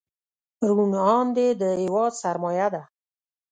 روڼ اندي د هېواد سرمایه ده.